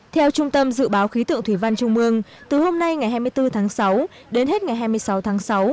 theo trung tâm dự báo khí tượng thủy văn trung ương từ hôm nay ngày hai mươi bốn tháng sáu đến hết ngày hai mươi sáu tháng sáu